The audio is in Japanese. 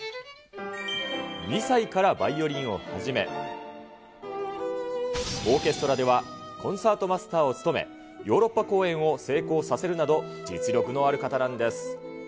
２歳からバイオリンを始め、オーケストラではコンサートマスターを務め、ヨーロッパ公演を成功させるなど、実力のある方なんです。